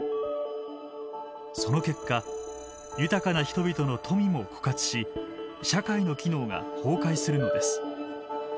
その結果豊かな人々の富も枯渇し社会の機能が崩壊するのです。